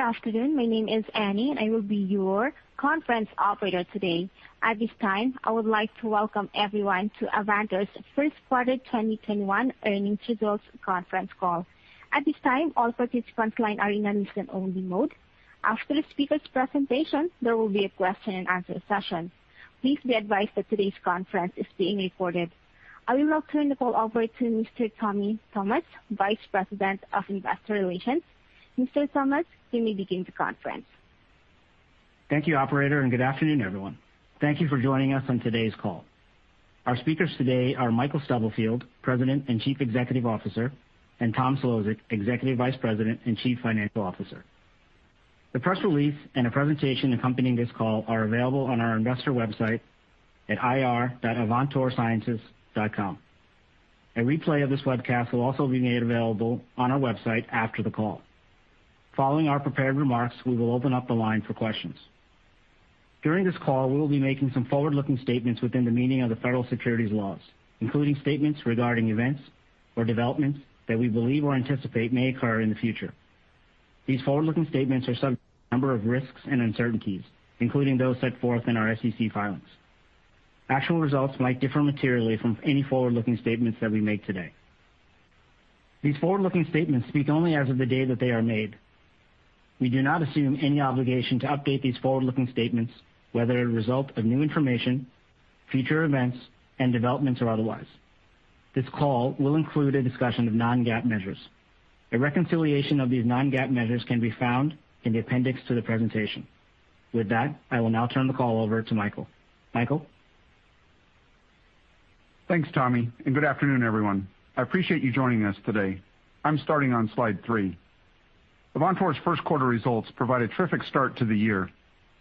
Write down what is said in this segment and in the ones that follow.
Good afternoon. My name is Annie, and I will be your conference operator today. At this time, I would like to welcome everyone to Avantor's First Quarter 2021 Earnings Results Conference Call. At this time, all participants' line are in listen-only mode. After the speakers' presentation, there will be a question and answer session. Please be advised that today's conference is being recorded. I will now turn the call over to Mr. Tommy Thomas, Vice President of Investor Relations. Mr. Thomas, you may begin the conference. Thank you, operator, and good afternoon, everyone. Thank you for joining us on today's call. Our speakers today are Michael Stubblefield, President and Chief Executive Officer, and Thomas Szlosek, Executive Vice President and Chief Financial Officer. The press release and a presentation accompanying this call are available on our investor website at ir.avantorsciences.com. A replay of this webcast will also be made available on our website after the call. Following our prepared remarks, we will open up the line for questions. During this call, we will be making some forward-looking statements within the meaning of the federal securities laws, including statements regarding events or developments that we believe or anticipate may occur in the future. These forward-looking statements are subject to a number of risks and uncertainties, including those set forth in our SEC filings. Actual results might differ materially from any forward-looking statements that we make today. These forward-looking statements speak only as of the day that they are made. We do not assume any obligation to update these forward-looking statements, whether a result of new information, future events, and developments, or otherwise. This call will include a discussion of non-GAAP measures. A reconciliation of these non-GAAP measures can be found in the appendix to the presentation. With that, I will now turn the call over to Michael. Michael? Thanks, Tommy. Good afternoon, everyone. I appreciate you joining us today. I'm starting on slide three. Avantor's first quarter results provide a terrific start to the year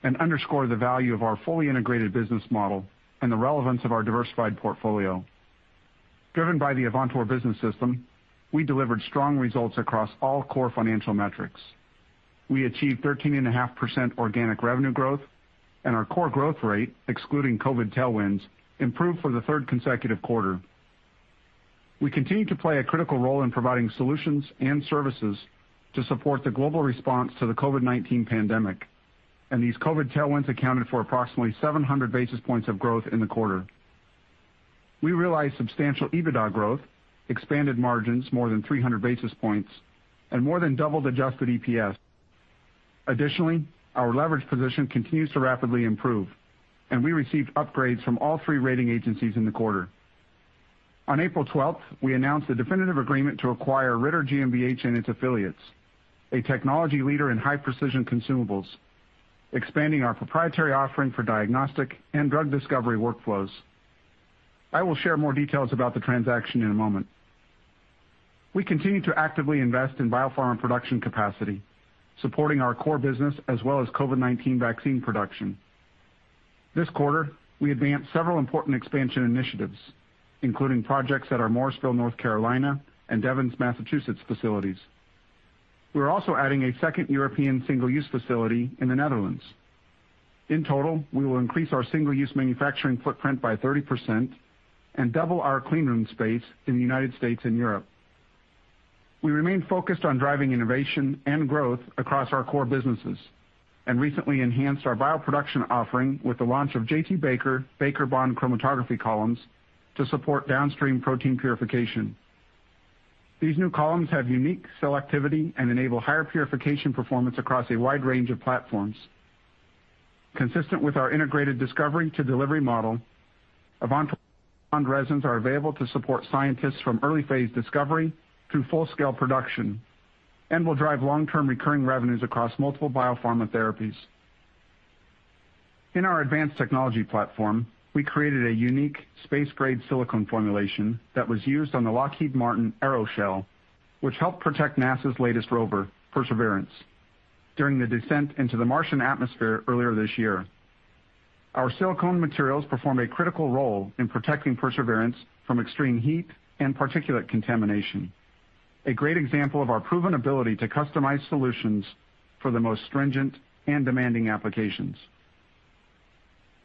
and underscore the value of our fully integrated business model and the relevance of our diversified portfolio. Driven by the Avantor Business System, we delivered strong results across all core financial metrics. We achieved 13.5% organic revenue growth, and our core growth rate, excluding COVID tailwinds, improved for the third consecutive quarter. We continue to play a critical role in providing solutions and services to support the global response to the COVID-19 pandemic, and these COVID tailwinds accounted for approximately 700 basis points of growth in the quarter. We realized substantial EBITDA growth, expanded margins more than 300 basis points, and more than doubled adjusted EPS. Our leverage position continues to rapidly improve, and we received upgrades from all three rating agencies in the quarter. On April 12th, we announced a definitive agreement to acquire Ritter GmbH and its affiliates, a technology leader in high-precision consumables, expanding our proprietary offering for diagnostic and drug discovery workflows. I will share more details about the transaction in a moment. We continue to actively invest in biopharm production capacity, supporting our core business as well as COVID-19 vaccine production. This quarter, we advanced several important expansion initiatives, including projects at our Morrisville, North Carolina, and Devens, Massachusetts, facilities. We're also adding a second European single-use facility in the Netherlands. In total, we will increase our single-use manufacturing footprint by 30% and double our clean room space in the United States and Europe. We remain focused on driving innovation and growth across our core businesses and recently enhanced our bioproduction offering with the launch of J.T.Baker BAKERBOND chromatography columns to support downstream protein purification. These new columns have unique selectivity and enable higher purification performance across a wide range of platforms. Consistent with our integrated discovery to delivery model, BAKERBOND resins are available to support scientists from early phase discovery through full-scale production and will drive long-term recurring revenues across multiple biopharma therapies. In our advanced technology platform, we created a unique space-grade silicone formulation that was used on the Lockheed Martin aeroshell, which helped protect NASA's latest rover, Perseverance, during the descent into the Martian atmosphere earlier this year. Our silicone materials perform a critical role in protecting Perseverance from extreme heat and particulate contamination. A great example of our proven ability to customize solutions for the most stringent and demanding applications.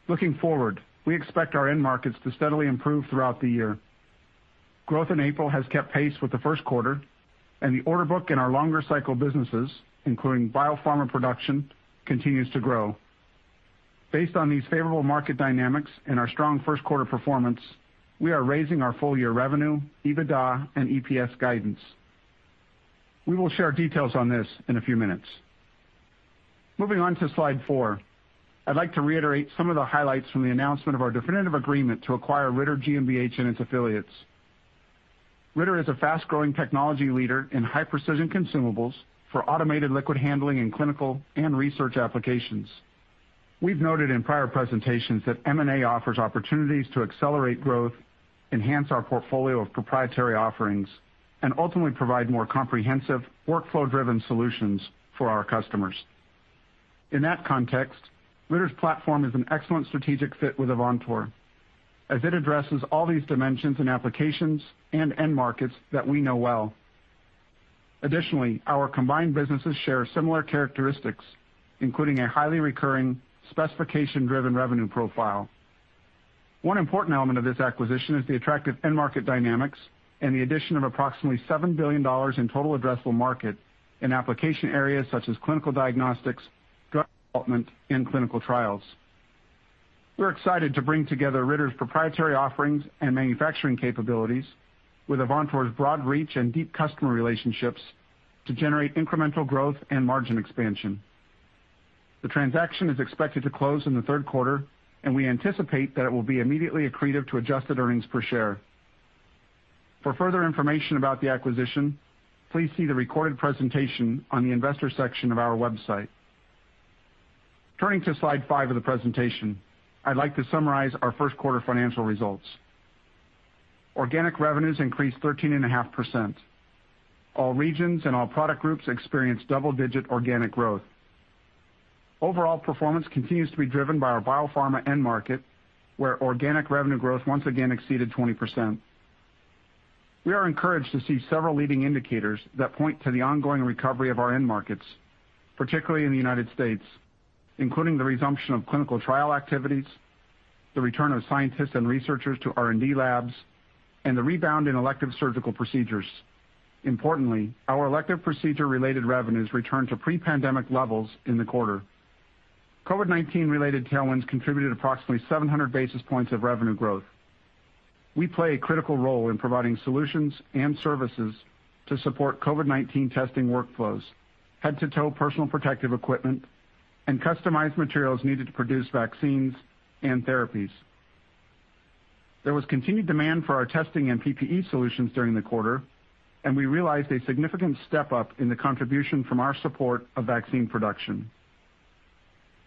Looking forward, we expect our end markets to steadily improve throughout the year. Growth in April has kept pace with the first quarter, and the order book in our longer cycle businesses, including biopharma production, continues to grow. Based on these favorable market dynamics and our strong first quarter performance, we are raising our full year revenue, EBITDA, and EPS guidance. We will share details on this in a few minutes. Moving on to slide four. I'd like to reiterate some of the highlights from the announcement of our definitive agreement to acquire Ritter GmbH and its affiliates. Ritter is a fast-growing technology leader in high-precision consumables for automated liquid handling in clinical and research applications. We've noted in prior presentations that M&A offers opportunities to accelerate growth, enhance our portfolio of proprietary offerings, and ultimately provide more comprehensive workflow-driven solutions for our customers. In that context, Ritter's platform is an excellent strategic fit with Avantor, as it addresses all these dimensions and applications and end markets that we know well. Additionally, our combined businesses share similar characteristics, including a highly recurring specification-driven revenue profile. One important element of this acquisition is the attractive end market dynamics and the addition of approximately $7 billion in total addressable market in application areas such as clinical diagnostics, drug development, and clinical trials. We're excited to bring together Ritter's proprietary offerings and manufacturing capabilities with Avantor's broad reach and deep customer relationships to generate incremental growth and margin expansion. The transaction is expected to close in the third quarter, and we anticipate that it will be immediately accretive to adjusted earnings per share. For further information about the acquisition, please see the recorded presentation on the investor section of our website. Turning to slide five of the presentation, I'd like to summarize our first quarter financial results. Organic revenues increased 13.5%. All regions and all product groups experienced double-digit organic growth. Overall performance continues to be driven by our biopharma end market, where organic revenue growth once again exceeded 20%. We are encouraged to see several leading indicators that point to the ongoing recovery of our end markets, particularly in the United States, including the resumption of clinical trial activities, the return of scientists and researchers to R&D labs, and the rebound in elective surgical procedures. Importantly, our elective procedure-related revenues returned to pre-pandemic levels in the quarter. COVID-19 related tailwinds contributed approximately 700 basis points of revenue growth. We play a critical role in providing solutions and services to support COVID-19 testing workflows, head-to-toe personal protective equipment, and customized materials needed to produce vaccines and therapies. There was continued demand for our testing and PPE solutions during the quarter, and we realized a significant step-up in the contribution from our support of vaccine production.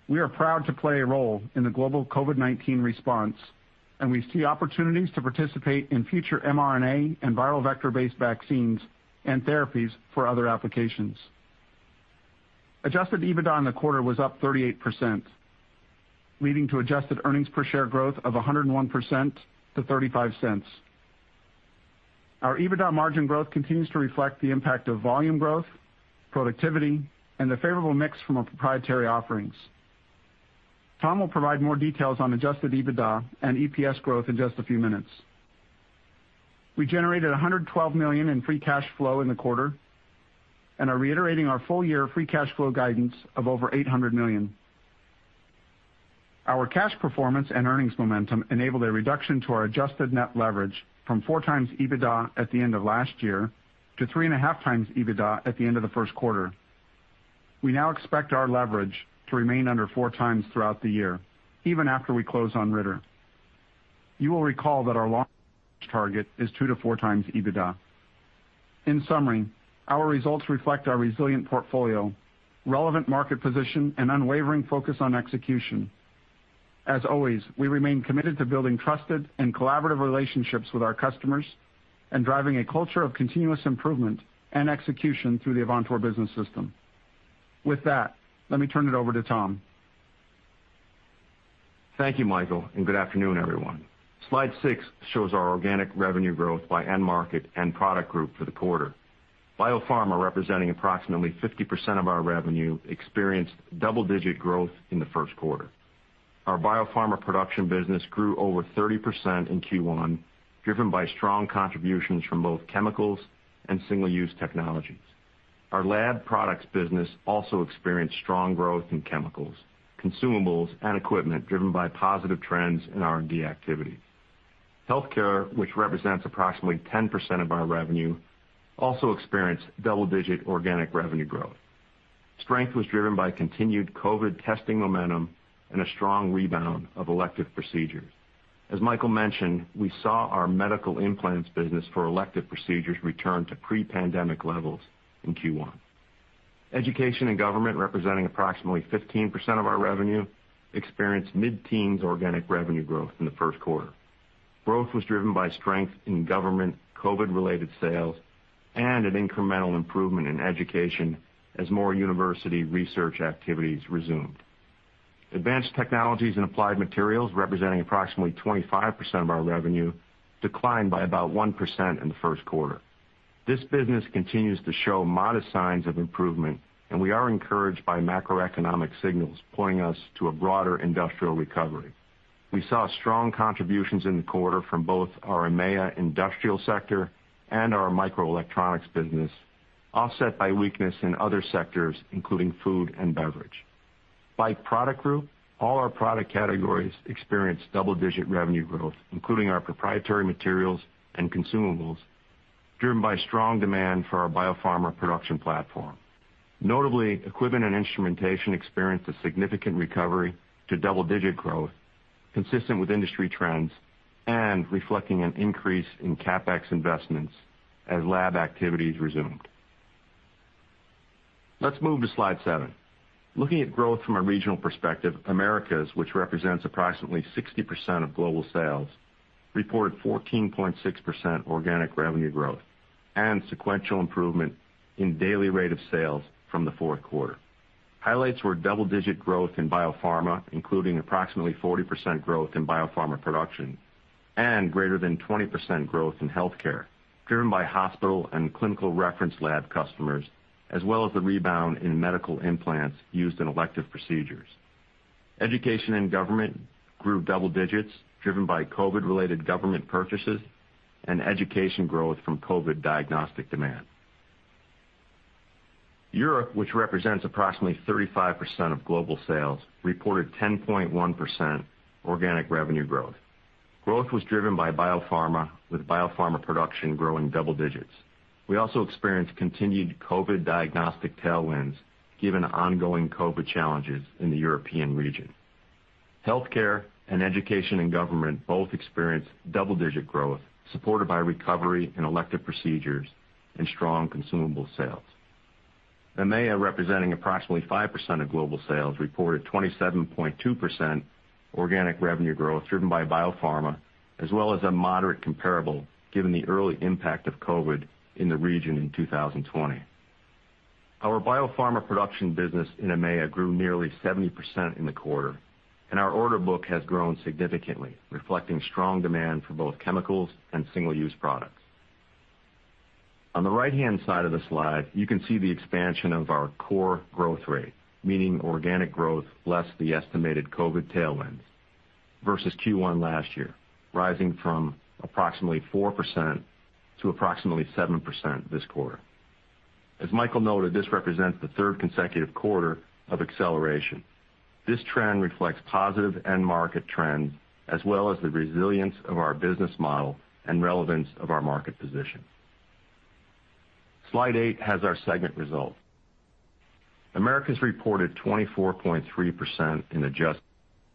We are proud to play a role in the global COVID-19 response, and we see opportunities to participate in future mRNA and viral vector-based vaccines and therapies for other applications. Adjusted EBITDA in the quarter was up 38%, leading to adjusted earnings per share growth of 101% to $0.35. Our EBITDA margin growth continues to reflect the impact of volume growth, productivity, and the favorable mix from our proprietary offerings. Tom will provide more details on adjusted EBITDA and EPS growth in just a few minutes. We generated $112 million in free cash flow in the quarter and are reiterating our full-year free cash flow guidance of over $800 million. Our cash performance and earnings momentum enabled a reduction to our adjusted net leverage from four times EBITDA at the end of last year to three and a half times EBITDA at the end of the first quarter. We now expect our leverage to remain under four times throughout the year, even after we close on Ritter. You will recall that our long target is two to four times EBITDA. In summary, our results reflect our resilient portfolio, relevant market position, and unwavering focus on execution. As always, we remain committed to building trusted and collaborative relationships with our customers and driving a culture of continuous improvement and execution through the Avantor Business System. With that, let me turn it over to Tom. Thank you, Michael, good afternoon, everyone. Slide six shows our organic revenue growth by end market and product group for the quarter. Biopharma, representing approximately 50% of our revenue, experienced double-digit growth in the first quarter. Our Biopharma production business grew over 30% in Q1, driven by strong contributions from both chemicals and single-use technologies. Our lab products business also experienced strong growth in chemicals, consumables, and equipment, driven by positive trends in R&D activity. Healthcare, which represents approximately 10% of our revenue, also experienced double-digit organic revenue growth. Strength was driven by continued COVID-19 testing momentum and a strong rebound of elective procedures. As Michael mentioned, we saw our medical implants business for elective procedures return to pre-pandemic levels in Q1. Education and Government, representing approximately 15% of our revenue, experienced mid-teens organic revenue growth in the first quarter. Growth was driven by strength in government, COVID-related sales, and an incremental improvement in education as more university research activities resumed. Advanced technologies and applied materials, representing approximately 25% of our revenue, declined by about 1% in the first quarter. This business continues to show modest signs of improvement, and we are encouraged by macroeconomic signals pointing us to a broader industrial recovery. We saw strong contributions in the quarter from both our EMEA industrial sector and our microelectronics business, offset by weakness in other sectors, including food and beverage. By product group, all our product categories experienced double-digit revenue growth, including our proprietary materials and consumables, driven by strong demand for our biopharma production platform. Notably, equipment and instrumentation experienced a significant recovery to double-digit growth, consistent with industry trends and reflecting an increase in CapEx investments as lab activities resumed. Let's move to slide seven. Looking at growth from a regional perspective, Americas, which represents approximately 60% of global sales, reported 14.6% organic revenue growth and sequential improvement in daily rate of sales from the fourth quarter. Highlights were double-digit growth in biopharma, including approximately 40% growth in biopharma production. Greater than 20% growth in healthcare, driven by hospital and clinical reference lab customers, as well as the rebound in medical implants used in elective procedures. Education and government grew double digits, driven by COVID related government purchases and education growth from COVID diagnostic demand. Europe, which represents approximately 35% of global sales, reported 10.1% organic revenue growth. Growth was driven by biopharma, with biopharma production growing double digits. We also experienced continued COVID diagnostic tailwinds, given ongoing COVID challenges in the European region. Healthcare and education and government both experienced double digit growth, supported by recovery in elective procedures and strong consumable sales. EMEA, representing approximately 5% of global sales, reported 27.2% organic revenue growth, driven by Biopharma, as well as a moderate comparable given the early impact of COVID-19 in the region in 2020. Our Biopharma production business in EMEA grew nearly 70% in the quarter, and our order book has grown significantly, reflecting strong demand for both chemicals and single-use products. On the right-hand side of the slide, you can see the expansion of our core growth rate, meaning organic growth less the estimated COVID-19 tailwinds versus Q1 last year, rising from approximately 4% to approximately 7% this quarter. As Michael noted, this represents the third consecutive quarter of acceleration. This trend reflects positive end market trends, as well as the resilience of our business model and relevance of our market position. Slide eight has our segment results. Americas reported 24.3% in adjusted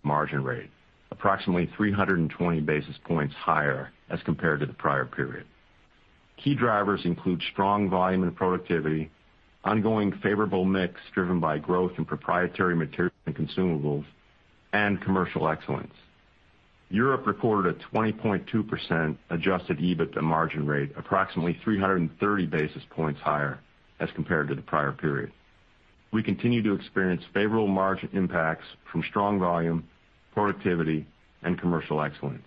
margin rate, approximately 320 basis points higher as compared to the prior period. Key drivers include strong volume and productivity, ongoing favorable mix driven by growth in proprietary materials and consumables, and commercial excellence. Europe reported a 20.2% adjusted EBITDA margin rate, approximately 330 basis points higher as compared to the prior period. We continue to experience favorable margin impacts from strong volume, productivity, and commercial excellence.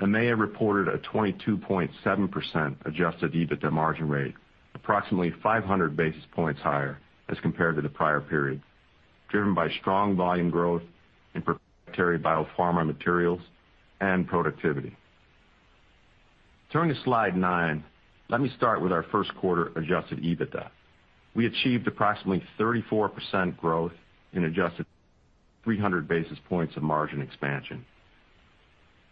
EMEA reported a 22.7% adjusted EBITDA margin rate, approximately 500 basis points higher as compared to the prior period, driven by strong volume growth in proprietary biopharma materials and productivity. Turning to slide nine, let me start with our first quarter adjusted EBITDA. We achieved approximately 34% growth, 300 basis points of margin expansion.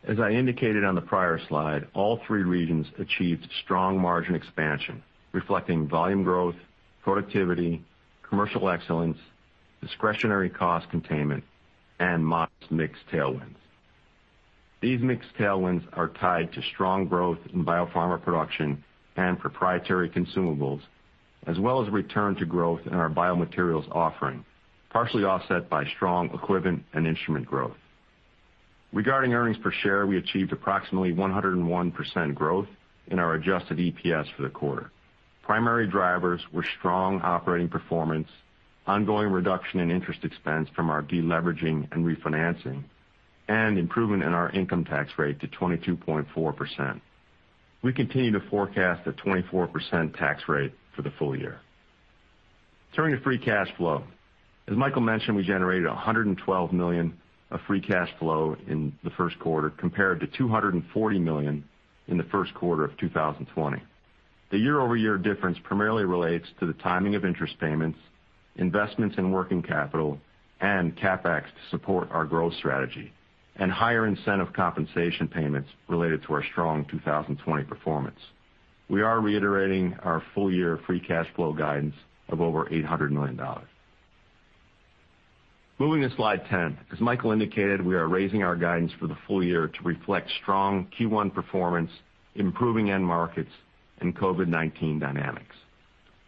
As I indicated on the prior slide, all three regions achieved strong margin expansion reflecting volume growth, productivity, commercial excellence, discretionary cost containment, and modest mix tailwinds. These mix tailwinds are tied to strong growth in biopharma production and proprietary consumables, as well as return to growth in our biomaterials offering, partially offset by strong equipment and instrument growth. Regarding earnings per share, we achieved approximately 101% growth in our adjusted EPS for the quarter. Primary drivers were strong operating performance, ongoing reduction in interest expense from our deleveraging and refinancing, and improvement in our income tax rate to 22.4%. We continue to forecast a 24% tax rate for the full year. Turning to free cash flow. As Michael mentioned, we generated $112 million of free cash flow in the first quarter, compared to $240 million in the first quarter of 2020. The year-over-year difference primarily relates to the timing of interest payments, investments in working capital and CapEx to support our growth strategy, and higher incentive compensation payments related to our strong 2020 performance. We are reiterating our full year free cash flow guidance of over $800 million. Moving to slide 10. As Michael indicated, we are raising our guidance for the full year to reflect strong Q1 performance, improving end markets, and COVID-19 dynamics.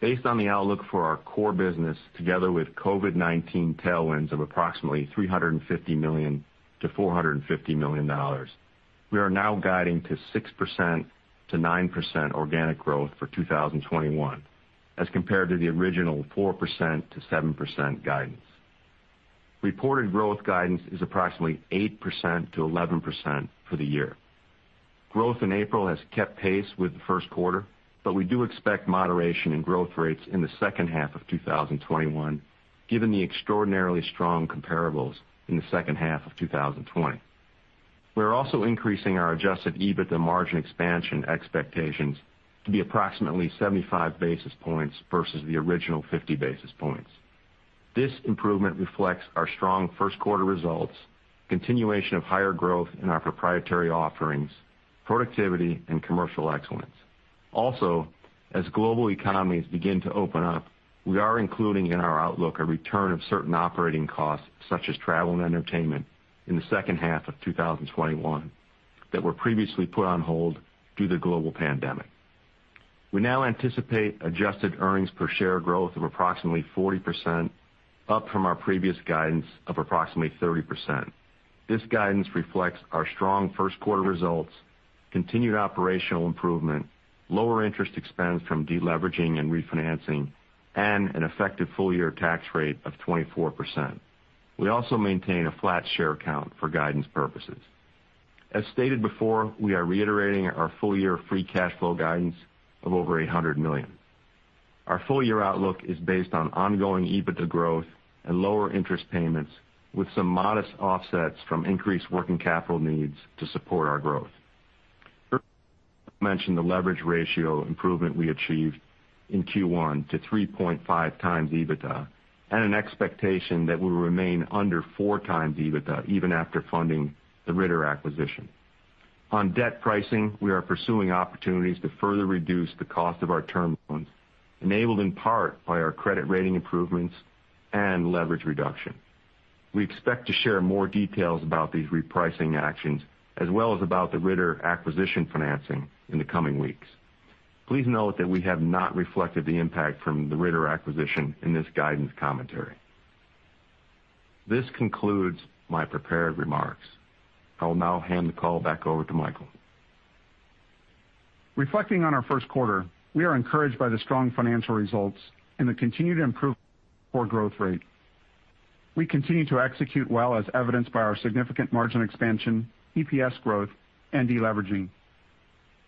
Based on the outlook for our core business, together with COVID-19 tailwinds of approximately $350 million-$450 million, we are now guiding to 6%-9% organic growth for 2021 as compared to the original 4%-7% guidance. Reported growth guidance is approximately 8%-11% for the year. Growth in April has kept pace with the first quarter, but we do expect moderation in growth rates in the second half of 2021 given the extraordinarily strong comparables in the second half of 2020. We are also increasing our adjusted EBITDA margin expansion expectations to be approximately 75 basis points versus the original 50 basis points. This improvement reflects our strong first quarter results, continuation of higher growth in our proprietary offerings, productivity, and commercial excellence. Also, as global economies begin to open up, we are including in our outlook a return of certain operating costs such as travel and entertainment in the second half of 2021 that were previously put on hold due to the global pandemic. We now anticipate adjusted earnings per share growth of approximately 40%, up from our previous guidance of approximately 30%. This guidance reflects our strong first quarter results, continued operational improvement, lower interest expense from deleveraging and refinancing, and an effective full year tax rate of 24%. We also maintain a flat share count for guidance purposes. As stated before, we are reiterating our full-year free cash flow guidance of over $100 million. Our full-year outlook is based on ongoing EBITDA growth and lower interest payments, with some modest offsets from increased working capital needs to support our growth. Earlier, I mentioned the leverage ratio improvement we achieved in Q1 to 3.5x EBITDA, and an expectation that we will remain under 4x EBITDA even after funding the Ritter acquisition. On debt pricing, we are pursuing opportunities to further reduce the cost of our term loans, enabled in part by our credit rating improvements and leverage reduction. We expect to share more details about these repricing actions as well as about the Ritter acquisition financing in the coming weeks. Please note that we have not reflected the impact from the Ritter acquisition in this guidance commentary. This concludes my prepared remarks. I will now hand the call back over to Michael. Reflecting on our first quarter, we are encouraged by the strong financial results and the continued improvement in core growth rate. We continue to execute well, as evidenced by our significant margin expansion, EPS growth, and de-leveraging.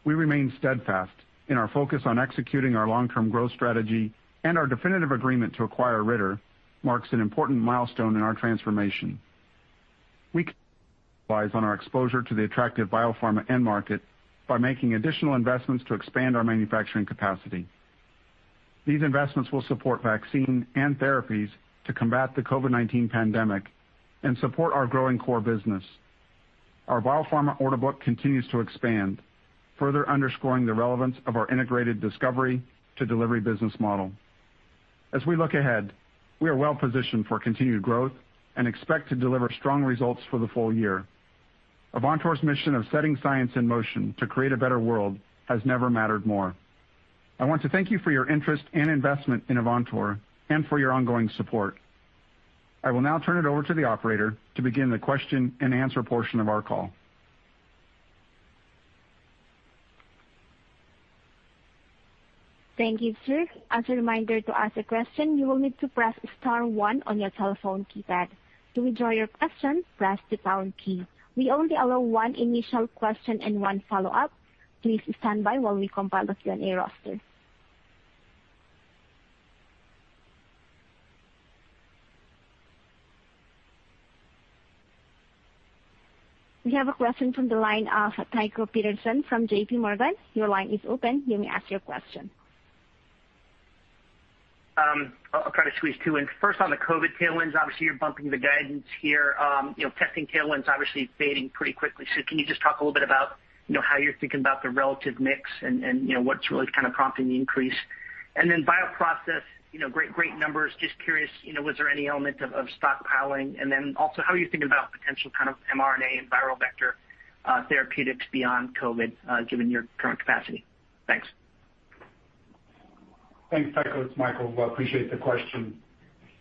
We remain steadfast in our focus on executing our long-term growth strategy, and our definitive agreement to acquire Ritter marks an important milestone in our transformation. We on our exposure to the attractive biopharma end market by making additional investments to expand our manufacturing capacity. These investments will support vaccine and therapies to combat the COVID-19 pandemic and support our growing core business. Our biopharma order book continues to expand, further underscoring the relevance of our integrated discovery to delivery business model. As we look ahead, we are well-positioned for continued growth and expect to deliver strong results for the full year. Avantor's mission of setting science in motion to create a better world has never mattered more. I want to thank you for your interest and investment in Avantor and for your ongoing support. I will now turn it over to the operator to begin the question and answer portion of our call. Thank you, sir. As a reminder, to ask a question, you will need to press star one on your telephone keypad. To withdraw your question, press the pound key. We only allow one initial question and one follow-up. Please stand by while we compile the Q&A roster We have a question from the line of Tycho Peterson from J.P. Morgan. Your line is open. You may ask your question. I'll try to squeeze two in. First, on the COVID tailwinds, obviously, you're bumping the guidance here. Testing tailwinds obviously fading pretty quickly. Can you just talk a little bit about how you're thinking about the relative mix and what's really kind of prompting the increase? Then bioprocess, great numbers. Just curious, was there any element of stockpiling? Then also, how are you thinking about potential kind of mRNA and viral vector therapeutics beyond COVID, given your current capacity? Thanks. Thanks, Tycho. It's Michael. Appreciate the question.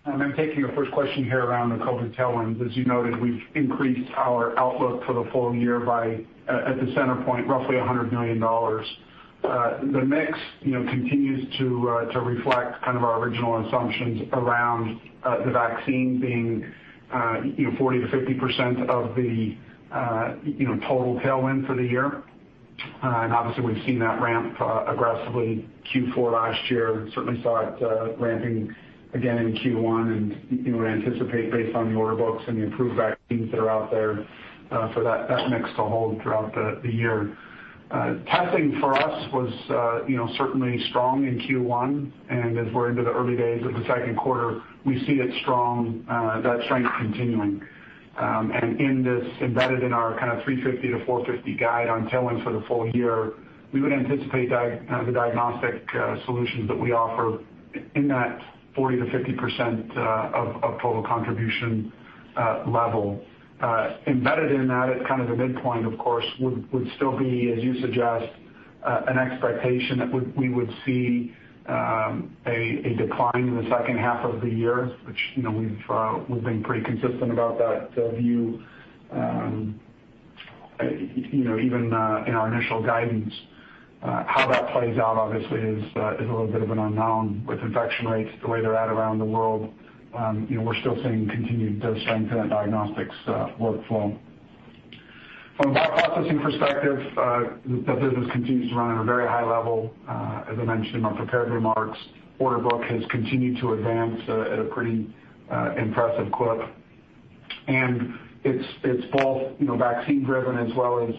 I'm taking the first question here around the COVID tailwinds. As you noted, we've increased our outlook for the full year by, at the center point, roughly $100 million. The mix continues to reflect kind of our original assumptions around the vaccine being 40%-50% of the total tailwind for the year. Obviously, we've seen that ramp aggressively Q4 last year. Certainly saw it ramping again in Q1. We anticipate based on the order books and the improved vaccines that are out there for that mix to hold throughout the year. Testing for us was certainly strong in Q1. As we're into the early days of the second quarter, we see that strength continuing. Embedded in our kind of $350-$450 guide on tailwind for the full year, we would anticipate the diagnostic solutions that we offer in that 40%-50% of total contribution level. Embedded in that at kind of the midpoint, of course, would still be, as you suggest, an expectation that we would see a decline in the second half of the year, which we've been pretty consistent about that view even in our initial guidance. How that plays out obviously is a little bit of an unknown with infection rates the way they're at around the world. We're still seeing continued strength in the diagnostics workflow. From a bioprocessing perspective, that business continues to run at a very high level. As I mentioned in my prepared remarks, order book has continued to advance at a pretty impressive clip, and it's both vaccine driven as well as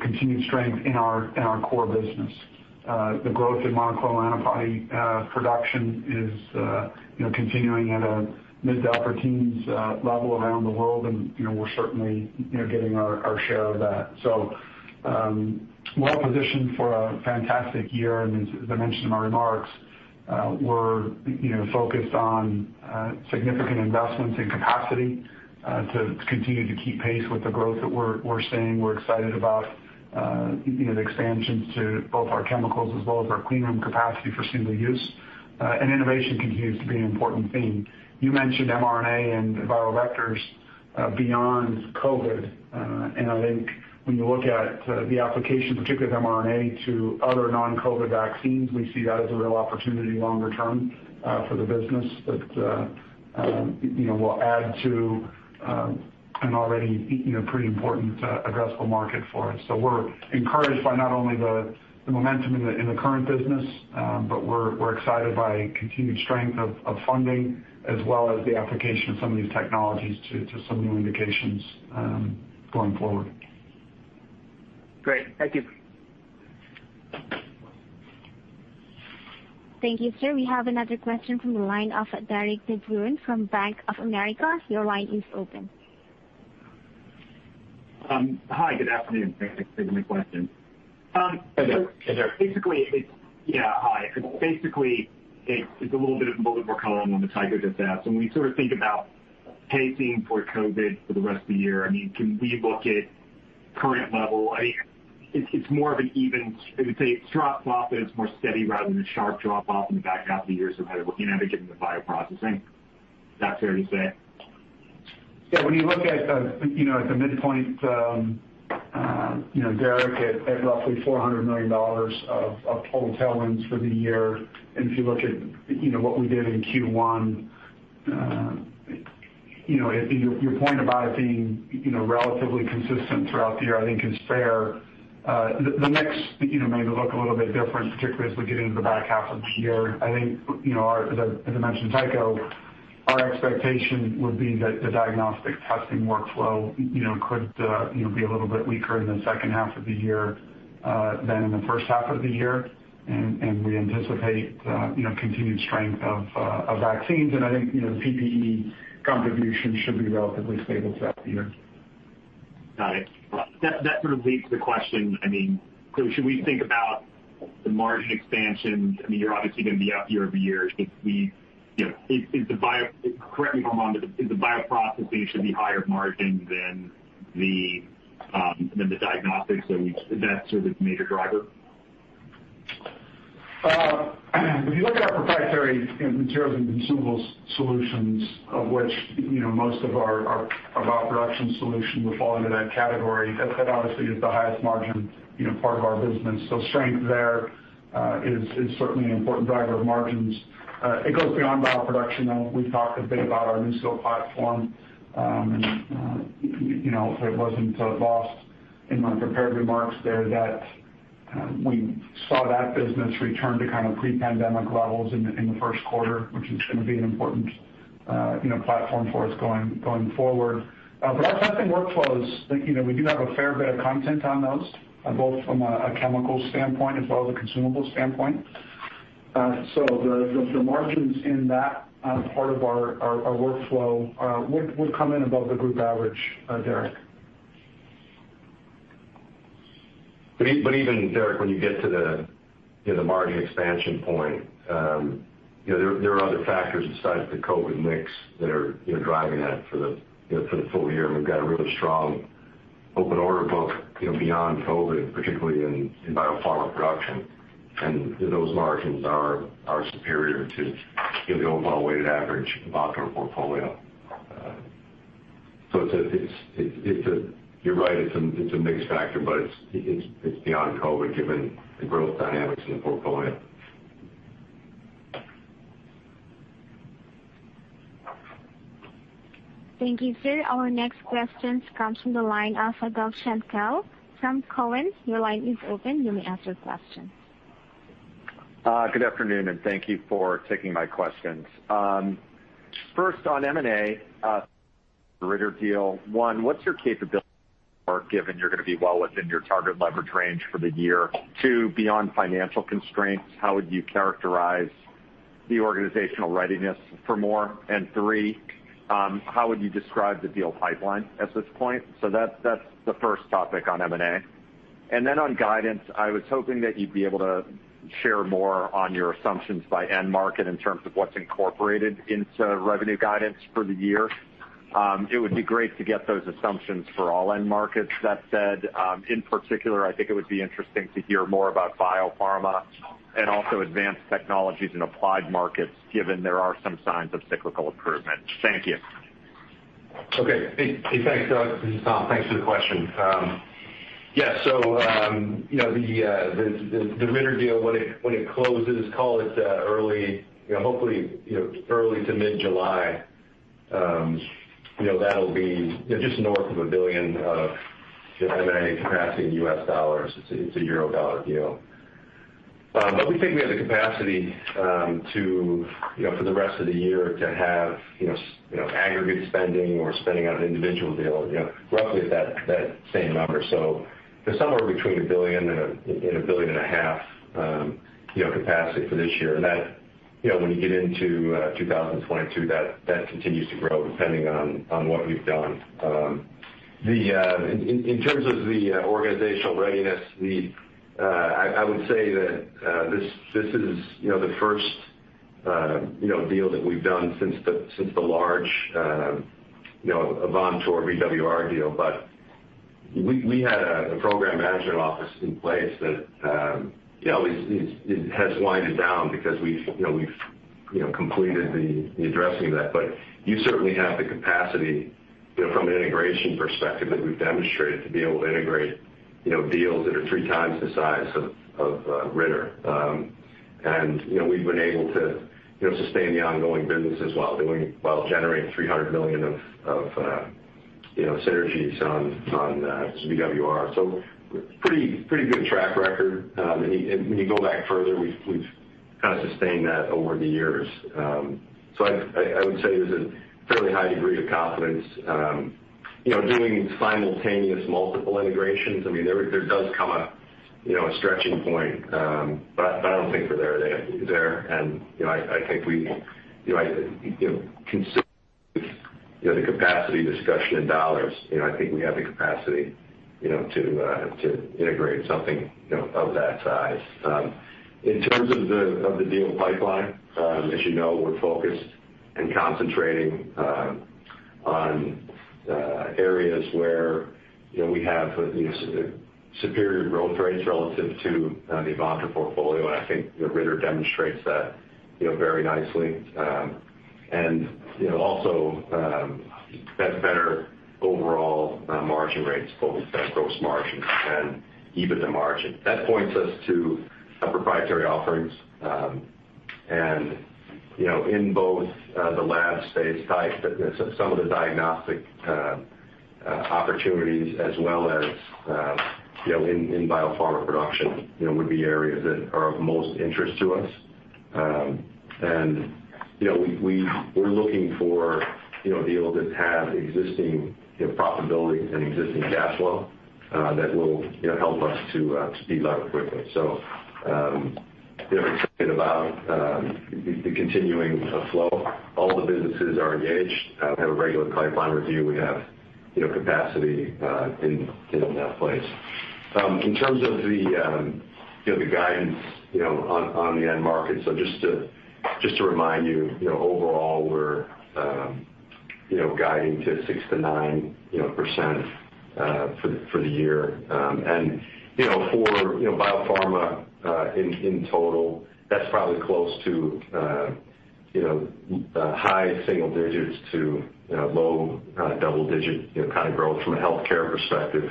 continued strength in our core business. The growth in monoclonal antibody production is continuing at a mid-to-upper teens level around the world, and we're certainly getting our share of that. Well-positioned for a fantastic year. As I mentioned in my remarks, we're focused on significant investments in capacity to continue to keep pace with the growth that we're seeing. We're excited about the expansions to both our chemicals as well as our clean room capacity for single use. Innovation continues to be an important theme. You mentioned mRNA and viral vectors. Beyond COVID. I think when you look at the application, particularly of mRNA, to other non-COVID vaccines, we see that as a real opportunity longer term for the business that will add to an already pretty important addressable market for us. We're encouraged by not only the momentum in the current business, but we're excited by continued strength of funding as well as the application of some of these technologies to some new indications going forward. Great. Thank you. Thank you, sir. We have another question from the line of Derik De Bruin from Bank of America. Your line is open. Hi, good afternoon. Thanks for taking my question. Hey, Derik. It's a little bit of what Michael and Tycho just asked. When we think about pacing for COVID-19 for the rest of the year, can we look at current level? It's more of an even, I would say drop-off that is more steady rather than a sharp drop-off in the back half of the year, kind of looking ahead, given the bioprocessing. Is that fair to say? When you look at the midpoint, Derik, at roughly $400 million of total tailwinds for the year, and if you look at what we did in Q1, your point about it being relatively consistent throughout the year, I think is fair. The mix may look a little bit different, particularly as we get into the back half of the year. I think, as I mentioned to Tycho, our expectation would be that the diagnostic testing workflow could be a little bit weaker in the second half of the year than in the first half of the year. We anticipate continued strength of vaccines, and I think the PPE contribution should be relatively stable throughout the year. Got it. That sort of leads to the question, should we think about the margin expansion? You're obviously going to be up year-over-year. Correct me if I'm wrong, is the bioprocessing should be higher margin than the diagnostics? Is that sort of the major driver? If you look at our proprietary materials and consumables solutions, of which most of our bioproduction solution would fall into that category, that obviously is the highest margin part of our business. Strength there is certainly an important driver of margins. It goes beyond bioproduction, though. We've talked a bit about our NuSil platform. If it wasn't lost in my prepared remarks there that we saw that business return to kind of pre-pandemic levels in the first quarter, which is going to be an important platform for us going forward. Our testing workflows, we do have a fair bit of content on those, both from a chemical standpoint as well as a consumable standpoint. The margins in that part of our workflow would come in above the group average, Derik. Even, Derik, when you get to the margin expansion point, there are other factors besides the COVID mix that are driving that for the full year. We've got a really strong open order book beyond COVID, particularly in biopharma production. Those margins are superior to the overall weighted average of our current portfolio. You're right, it's a mix factor, but it's beyond COVID given the growth dynamics in the portfolio. Thank you, sir. Our next question comes from the line of Doug Schenkel from Cowen. Your line is open. You may ask your question. Good afternoon. Thank you for taking my questions. First on M&A, the Ritter deal. One, what's your capability given you're going to be well within your target leverage range for the year? Two, beyond financial constraints, how would you characterize the organizational readiness for more? Three, how would you describe the deal pipeline at this point? That's the first topic on M&A. Then on guidance, I was hoping that you'd be able to share more on your assumptions by end market in terms of what's incorporated into revenue guidance for the year. It would be great to get those assumptions for all end markets. That said, in particular, I think it would be interesting to hear more about biopharma and also advanced technologies in applied markets, given there are some signs of cyclical improvement. Thank you. Okay. Hey, thanks, Doug. This is Tom. Thanks for the question. Yeah. The Ritter deal, when it closes call it early, hopefully early to mid-July, that'll be just north of $1 billion of M&A capacity in U.S. dollars. It's a euro/dollar deal. We think we have the capacity for the rest of the year to have aggregate spending or spending on an individual deal roughly at that same number. There's somewhere between $1 billion and $1.5 billion capacity for this year. When you get into 2022, that continues to grow depending on what we've done. In terms of the organizational readiness, I would say that this is the first deal that we've done since the large Avantor VWR deal. We had a program management office in place that has winded down because we've completed the addressing of that. You certainly have the capacity from an integration perspective that we've demonstrated to be able to integrate deals that are 3x the size of Ritter. We've been able to sustain the ongoing businesses while generating $300 million of synergies on VWR. Pretty good track record. When you go back further, we've kind of sustained that over the years. I would say there's a fairly high degree of confidence. Doing simultaneous multiple integrations, there does come a stretching point. I don't think we're there today. I think we consider the capacity discussion in dollars, I think we have the capacity to integrate something of that size. In terms of the deal pipeline, as you know, we're focused and concentrating on areas where we have superior growth rates relative to the Avantor portfolio, and I think Ritter demonstrates that very nicely. Also, that's better overall margin rates, both gross margin and EBITDA margin. That points us to proprietary offerings. In both the lab space, some of the diagnostic opportunities as well as in biopharma production would be areas that are of most interest to us. We're looking for deals that have existing profitability and existing cash flow that will help us to speed up quickly. We're excited about the continuing flow. All the businesses are engaged. We have a regular pipeline review. We have capacity in that place. In terms of the guidance on the end market, so just to remind you, overall, we're guiding to 6%-9% for the year. For Biopharma in total, that's probably close to high single digits to low double-digit kind of growth from a healthcare perspective.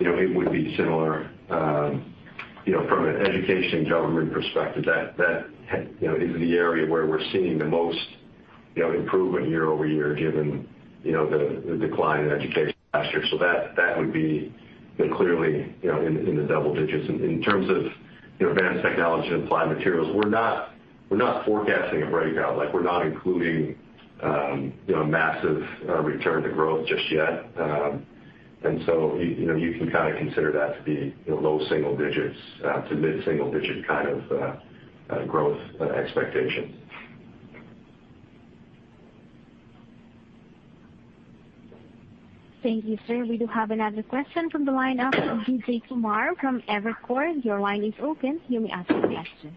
It would be similar from an education government perspective. That is the area where we're seeing the most improvement year-over-year, given the decline in education last year. That would be clearly in the double digits. In terms of advanced technology and applied materials, we're not forecasting a breakout. We're not including massive return to growth just yet. You can kind of consider that to be low single digits to mid-single digit kind of growth expectations. Thank you, sir. We do have another question from the line of Vijay Kumar from Evercore. Your line is open. You may ask your question.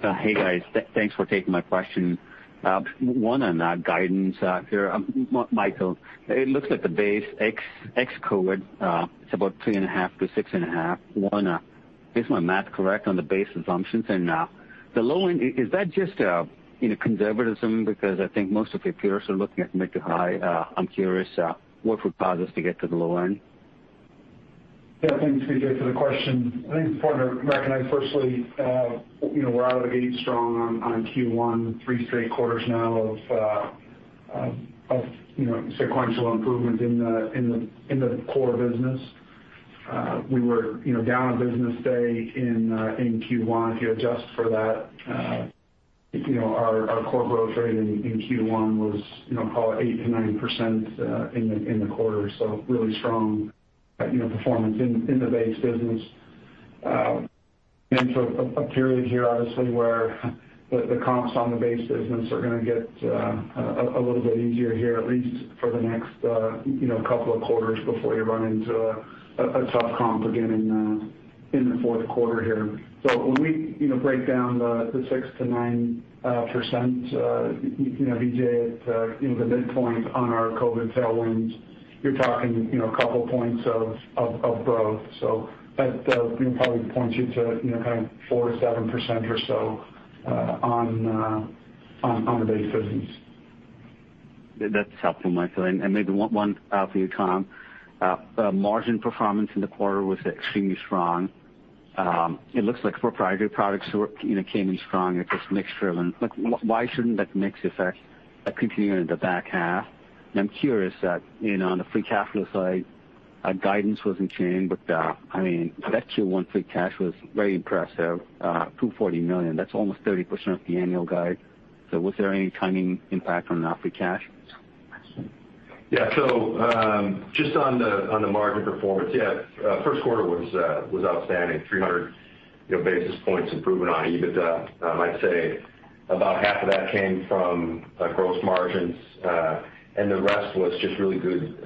Hey, guys. Thanks for taking my question. One on guidance here. Michael, it looks like the base ex-COVID, it's about three and a half to six and a half. One, is my math correct on the base assumptions? The low end, is that just conservatism? I think most of your peers are looking at mid to high. I'm curious, what would cause us to get to the low end? Thanks, Vijay, for the question. I think it's important to recognize firstly we're out of the gate strong on Q1, three straight quarters now of sequential improvement in the core business. We were down a business day in Q1. If you adjust for that, our core growth rate in Q1 was call it 8%-9% in the quarter. Really strong performance in the base business. A period here, obviously, where the comps on the base business are going to get a little bit easier here, at least for the next couple of quarters before you run into a tough comp again in the fourth quarter here. When we break down the 6%-9%, Vijay, at the midpoint on our COVID tailwinds, you're talking a couple points of growth. That probably points you to kind of 4%-7% or so on the base business. That's helpful, Michael. Maybe one for you, Tom. Margin performance in the quarter was extremely strong. It looks like proprietary products came in strong. It's this mixture of them. Why shouldn't that mix effect continue in the back half? I'm curious that on the free cash flow side, our guidance wasn't changed, but that Q1 free cash was very impressive, $240 million. That's almost 30% of the annual guide. Was there any timing impact on that free cash? Yeah. Just on the margin performance, yeah first quarter was outstanding, 300 basis points improvement on EBITDA. I might say about half of that came from gross margins, the rest was just really good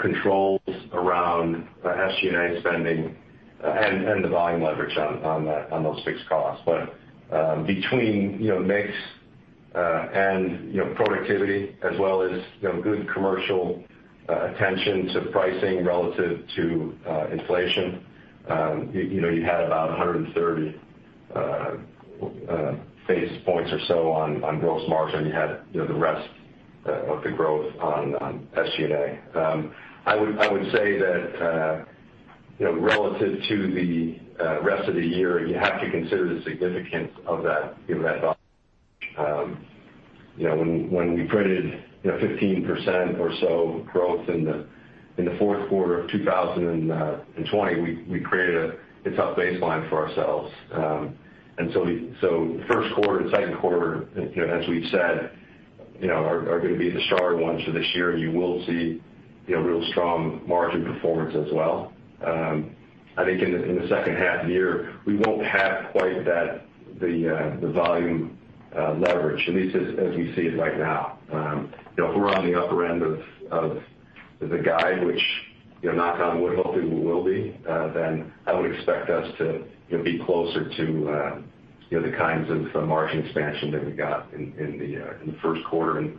controls around SG&A spending and the volume leverage on those fixed costs. Between mix and productivity as well as good commercial attention to pricing relative to inflation. You had about 130 basis points or so on gross margin. You had the rest of the growth on SG&A. I would say that relative to the rest of the year, you have to consider the significance of that volume. When we printed 15% or so growth in the fourth quarter of 2020, we created a tough baseline for ourselves. First quarter, second quarter, as we've said, are going to be the stronger ones for this year, and you will see real strong margin performance as well. I think in the second half of the year, we won't have quite the volume leverage, at least as we see it right now. If we're on the upper end of the guide, which, knock on wood, hopefully we will be, then I would expect us to be closer to the kinds of margin expansion that we got in the first quarter and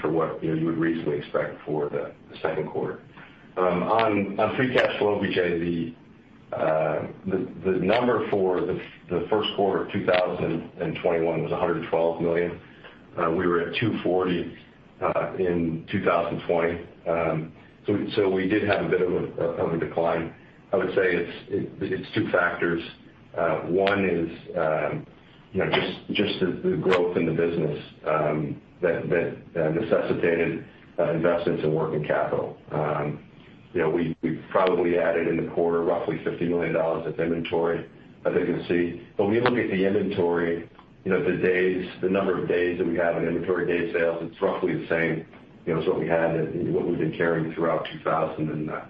for what you would reasonably expect for the second quarter. On free cash flow, Vijay, the number for the first quarter of 2021 was $112 million. We were at $240 in 2020. We did have a bit of a decline. I would say it's two factors. One is just the growth in the business that necessitated investment in working capital. We probably added in the quarter roughly $50 million of inventory, as you can see. When you look at the inventory, the number of days that we have in inventory, day sales, it's roughly the same as what we had and what we've been carrying throughout 2020.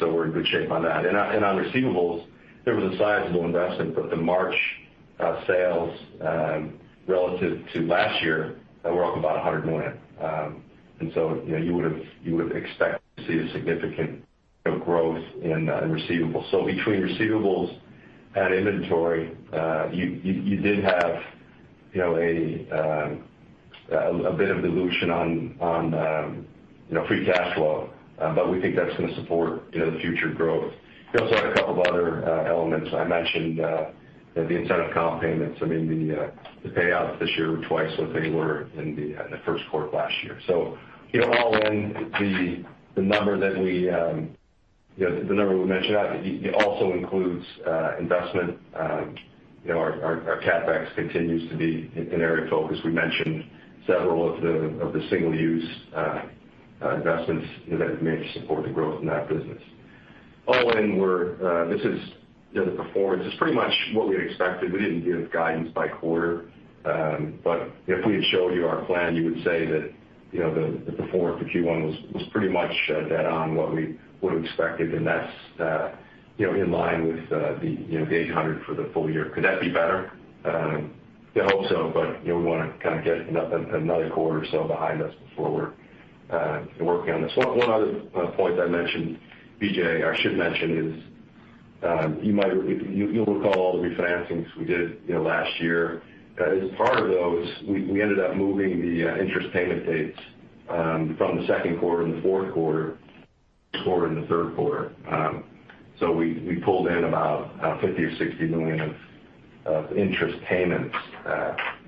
We're in good shape on that. On receivables, there was a sizable investment, but the March sales relative to last year were up about $100 million. You would have expected to see the significant growth in receivables. Between receivables and inventory, you did have a bit of dilution on free cash flow, but we think that's going to support the future growth. We also had a couple of other elements. I mentioned the incentive comp payments. I mean, the payouts this year were twice what they were in the first quarter of last year. All in, the number that we mentioned also includes investment. Our CapEx continues to be an area of focus. We mentioned several of the single-use investments that have made to support the growth in that business. All in, the performance is pretty much what we had expected. We didn't give guidance by quarter. If we had showed you our plan, you would say that the performance for Q1 was pretty much dead on what we would have expected, and that's in line with the 800 for the full year. Could that be better? I hope so, we want to kind of get another quarter or so behind us before we're working on this. One other point I mentioned, Vijay, or I should mention is, you'll recall all the refinancings we did last year. As part of those, we ended up moving the interest payment dates from the second quarter and the fourth quarter to the third quarter. We pulled in about $50 million or $60 million of interest payments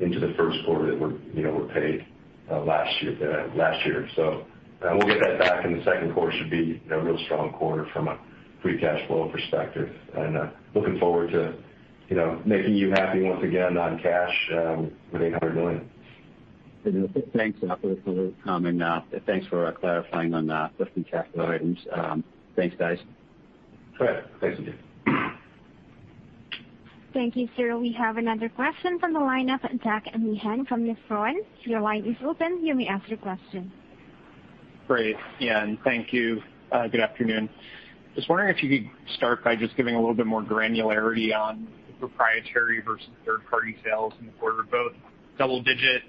into the first quarter that were paid last year. We'll get that back, and the second quarter should be a real strong quarter from a free cash flow perspective. Looking forward to making you happy once again on cash with $800 million. Thanks for the color, Tom, and thanks for clarifying on the free cash flow items. Thanks, guys. Sure. Thanks, Vijay. Thank you, sir. We have another question from the line of Jack Meehan from Nephron. Your line is open. You may ask your question. Great. Yeah, thank you. Good afternoon. Just wondering if you could start by just giving a little bit more granularity on proprietary versus third-party sales in the quarter, both double-digit,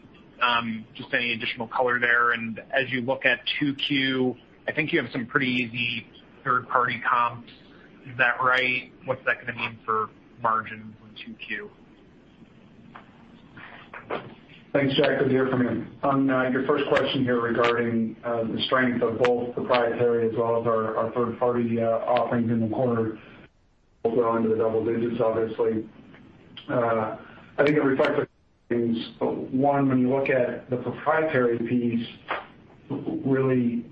just any additional color there. As you look at 2Q, I think you have some pretty easy third-party comps. Is that right? What's that going to mean for margin in 2Q? Thanks, Jack. Good to hear from you. On your first question here regarding the strength of both proprietary as well as our third-party offerings in the quarter, both well into the double digits, obviously. I think it reflects a couple things. One, when you look at the proprietary piece, really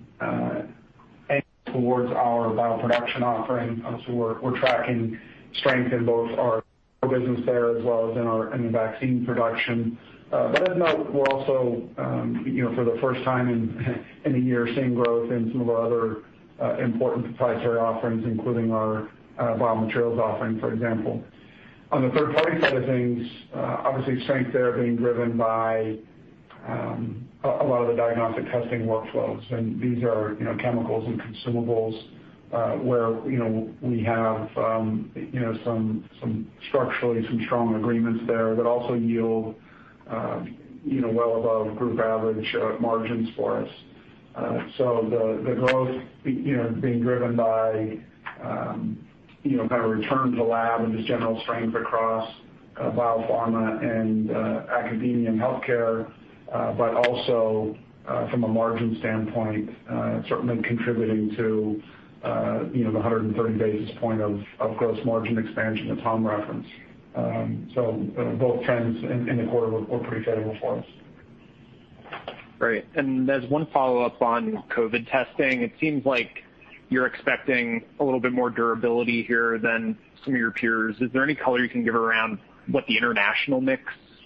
aimed towards our bioproduction offering. We're tracking strength in both our core business there as well as in the vaccine production. I'd note we're also for the first time in a year, seeing growth in some of our other important proprietary offerings, including our biomaterials offering, for example. On the third-party side of things, obviously strength there being driven by a lot of the diagnostic testing workflows. These are chemicals and consumables where we have structurally some strong agreements there that also yield well above group average margins for us. The growth being driven by return to lab and just general strength across biopharma and academia and healthcare, but also from a margin standpoint, certainly contributing to the 130 basis point of gross margin expansion that Tom referenced. Both trends in the quarter were pretty favorable for us. Great. As one follow-up on COVID testing, it seems like you're expecting a little bit more durability here than some of your peers. Is there any color you can give around what the international mix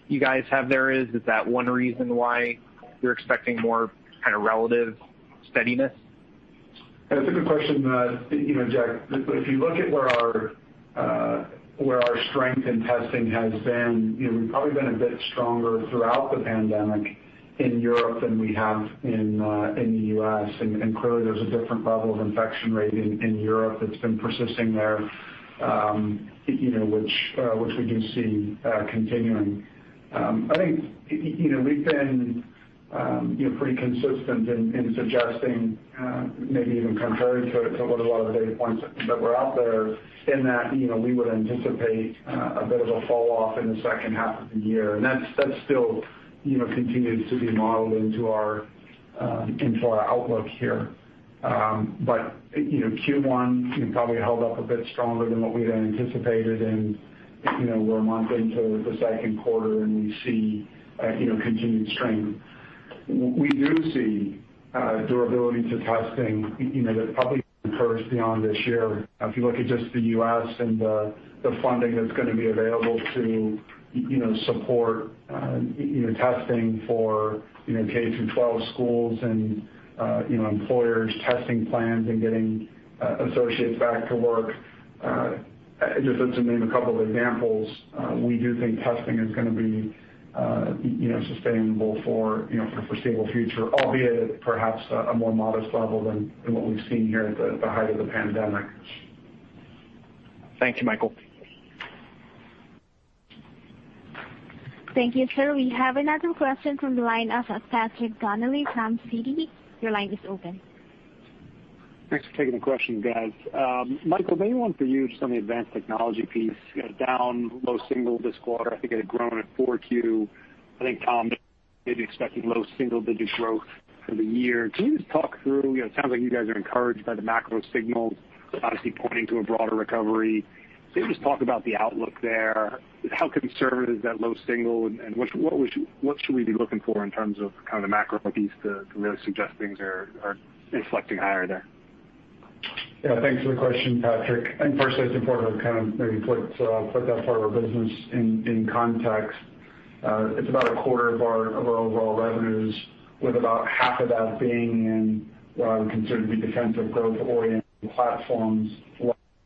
you guys have there is? Is that one reason why you're expecting more kind of relative steadiness? That's a good question, Jack. If you look at where our strength in testing has been, we've probably been a bit stronger throughout the pandemic in Europe than we have in the U.S. Clearly, there's a different level of infection rate in Europe that's been persisting there, which we can see continuing. I think we've been pretty consistent in suggesting, maybe even contrary to what a lot of the data points that were out there, in that we would anticipate a bit of a fall off in the second half of the year, and that still continues to be modeled into our outlook here. Q1 probably held up a bit stronger than what we had anticipated, and we're a month into the second quarter, and we see continued strength. We do see durability to testing that probably occurs beyond this year. If you look at just the U.S. and the funding that's going to be available to support testing for K through 12 schools and employers' testing plans and getting associates back to work, just to name a couple of examples, we do think testing is going to be sustainable for the foreseeable future, albeit perhaps a more modest level than what we've seen here at the height of the pandemic. Thank you, Michael. Thank you, sir. We have another question from the line of Patrick Donnelly from Citi. Your line is open. Thanks for taking the question, guys. Michael, maybe one for you just on the advanced technology piece, down low single this quarter. I think it had grown at 4Q. I think Tom may be expecting low single-digit growth for the year. Can you just talk through, it sounds like you guys are encouraged by the macro signals obviously pointing to a broader recovery. Just talk about the outlook there. How concerned is that low single, and what should we be looking for in terms of the macro piece to really suggest things are inflecting higher there? Yeah, thanks for the question, Patrick. Firstly, it's important to maybe put that part of our business in context. It's about a quarter of our overall revenues, with about half of that being in what I would consider to be defensive growth-oriented platforms,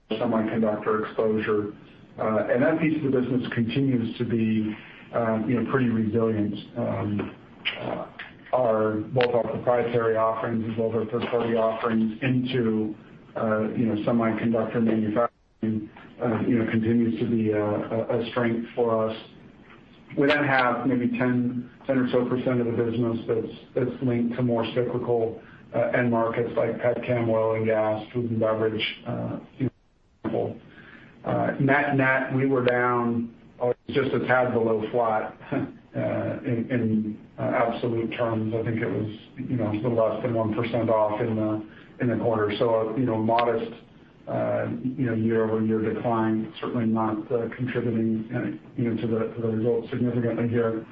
semiconductor exposure. That piece of the business continues to be pretty resilient. Both our proprietary offerings as well as our third-party offerings into semiconductor manufacturing continues to be a strength for us. We have maybe 10% or so of the business that's linked to more cyclical end markets like petchem, oil and gas, food and beverage. Net-net, we were down just a tad below flat in absolute terms. I think it was a little less than 1% off in the quarter. A modest year-over-year decline, certainly not contributing to the results significantly here.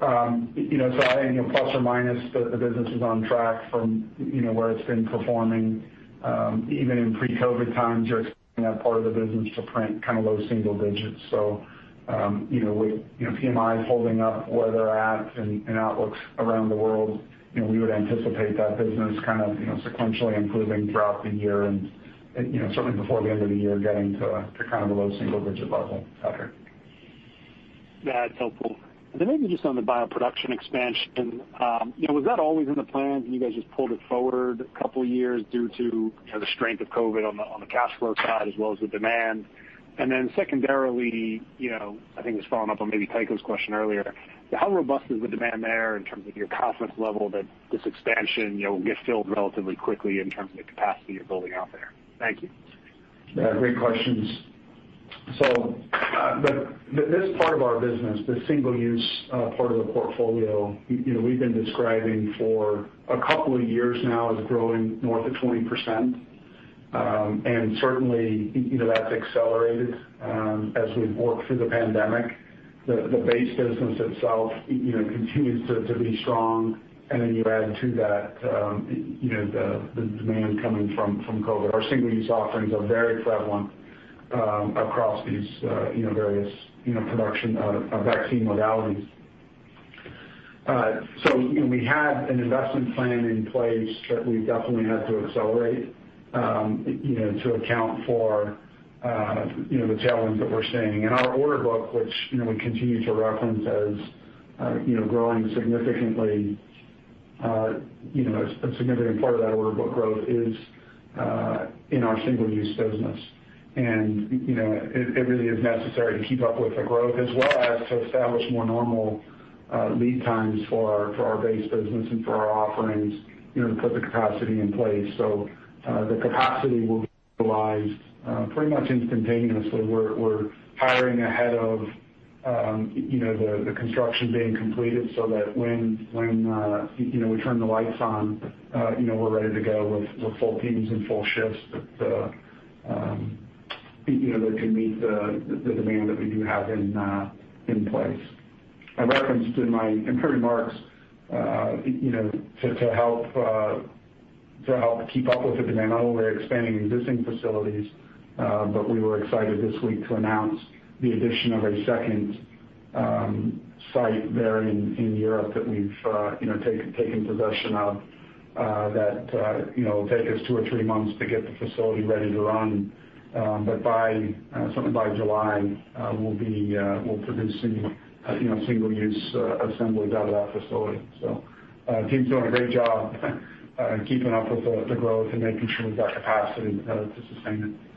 I think plus and minus, the business is on track from where it's been performing, even in pre-COVID times, you're expecting that part of the business to print low single digits. With PMIs holding up where they're at and outlooks around the world, we would anticipate that business sequentially improving throughout the year and certainly before the end of the year, getting to a low single-digit level, Patrick. That's helpful. Maybe just on the bioproduction expansion, was that always in the plans and you guys just pulled it forward a couple of years due to the strength of COVID on the cash flow side as well as the demand? Secondarily, I think this is following up on maybe Tycho's question earlier, how robust is the demand there in terms of your confidence level that this expansion will get filled relatively quickly in terms of the capacity you're building out there? Thank you. Great questions. This part of our business, the single-use part of the portfolio we've been describing for a couple of years now is growing north of 20%, and certainly, that's accelerated as we've worked through the pandemic. The base business itself continues to be strong, and then you add to that the demand coming from COVID. Our single-use offerings are very prevalent across these various production of vaccine modalities. We had an investment plan in place that we definitely had to accelerate to account for the challenge that we're seeing. In our order book, which we continue to reference as growing significantly, a significant part of that order book growth is in our single-use business. It really is necessary to keep up with the growth as well as to establish more normal lead times for our base business and for our offerings, to put the capacity in place. The capacity will be utilized pretty much instantaneously. We're hiring ahead of the construction being completed so that when we turn the lights on, we're ready to go with full teams and full shifts that can meet the demand that we do have in place. I referenced in my opening remarks, to help keep up with the demand, not only are we expanding existing facilities, but we were excited this week to announce the addition of a second site there in Europe that we've taken possession of that will take us two or three months to get the facility ready to run. Something by July, we'll be producing single-use assembly out of that facility. The team's doing a great job in keeping up with the growth and making sure we've got capacity to sustain it.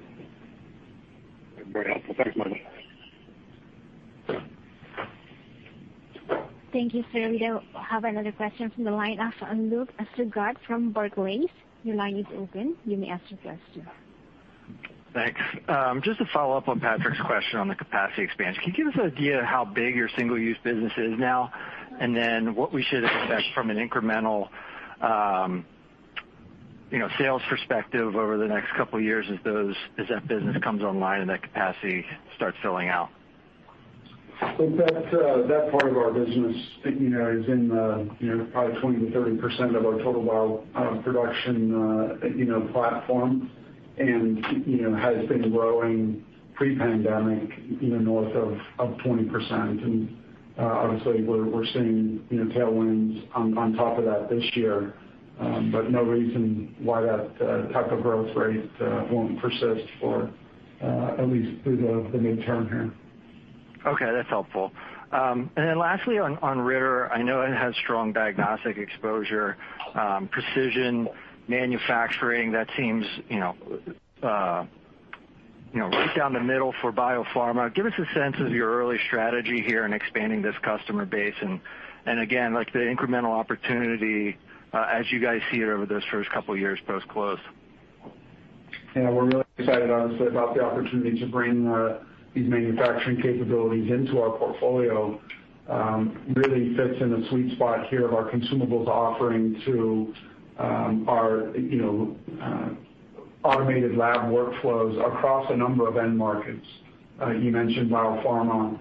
Very helpful. Thanks much. Thank you, sir. We now have another question from the line of Luke Sergott from Barclays. Your line is open, you may ask your question. Thanks. To follow up on Patrick's question on the capacity expansion, can you give us an idea of how big your single-use business is now, and then what we should expect from an incremental sales perspective over the next couple of years as that business comes online and that capacity starts filling out? I think that part of our business is in probably 20%-30% of our total bio-production platform, and has been growing pre-pandemic north of 20%. Obviously, we're seeing tailwinds on top of that this year. No reason why that type of growth rate won't persist for at least through the midterm here. Okay, that's helpful. Lastly, on Ritter, I know it has strong diagnostic exposure, precision manufacturing, that seems right down the middle for biopharma. Give us a sense of your early strategy here in expanding this customer base, and again, the incremental opportunity, as you guys see it over those first couple of years post-close. Yeah, we're really excited, honestly, about the opportunity to bring these manufacturing capabilities into our portfolio. Really fits in the sweet spot here of our consumables offering to our automated lab workflows across a number of end markets. You mentioned biopharma.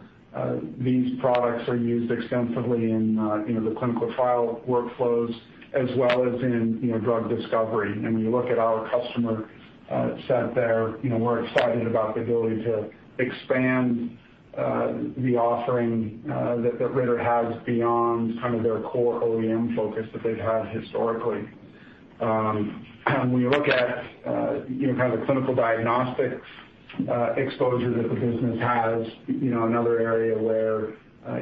These products are used extensively in the clinical trial workflows as well as in drug discovery. When you look at our customer set there, we're excited about the ability to expand the offering that Ritter has beyond kind of their core OEM focus that they've had historically. When you look at kind of the clinical diagnostics exposure that the business has, another area where